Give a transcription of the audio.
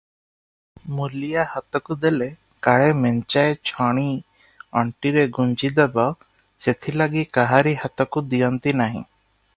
ମୂଲିଆ ହାତକୁ ଦେଲେ କାଳେ ମେଞ୍ଚାଏ ଛଣି ଅଣ୍ଟିରେ ଗୁଞ୍ଜିଦେବ, ସେଥିଲାଗି କାହାରି ହାତକୁ ଦିଅନ୍ତି ନାହିଁ ।